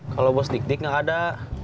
kalau bos dik dik nggak ada